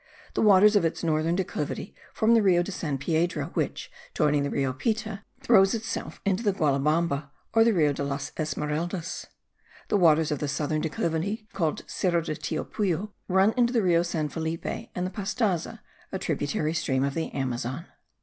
The waters of its northern declivity form the Rio de San Pedro, which, joining the Rio Pita, throws itself into the Gualabamba, or Rio de las Esmeraldas. The waters of the southern declivity, called Cerro de Tiopullo, run into the Rio San Felipe and the Pastaza, a tributary stream of the Amazon.